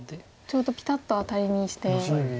ちょうどピタッとアタリにして。